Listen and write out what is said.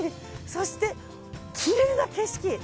そしてきれいな景色。